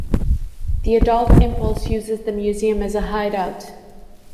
The adult Impulse uses the museum as a hideout.